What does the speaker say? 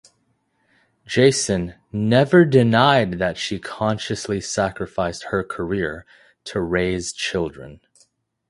Janson "never denied that she consciously sacrificed her career to raise children".